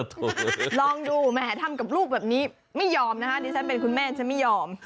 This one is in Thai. ลองดูแหมทำกับลูกแบบนี้ไม่ยอมนะคะดิฉันเป็นคุณแม่ฉันไม่ยอม